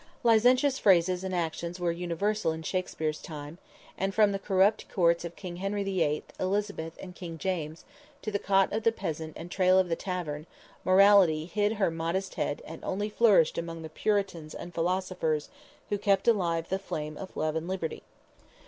Licentious phrases and actions were universal in Shakspere's time, and from the corrupt courts of King Henry the Eighth, Elizabeth and King James, to the cot of the peasant and trail of the tavern, morality hid her modest head and only flourished among the puritans and philosophers who kept alive the flame of love and liberty.